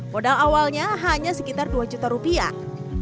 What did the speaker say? modal awalnya hanya sekitar dua juta rupiah